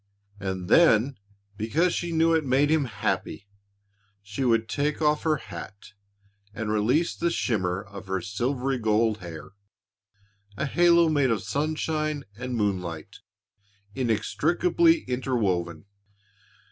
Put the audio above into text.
And then because she knew it made him happy, she would take off her hat and release the shimmer of her silvery gold hair, a halo made of sunshine and moonlight, inextricably interwoven.